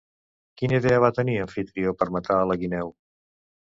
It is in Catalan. Quina idea va tenir Amfitrió per matar la guineu?